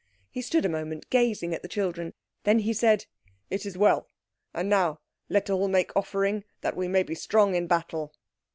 He stood a moment gazing at the children. Then he said— "It is well. And now let all make offering, that we may be strong in battle."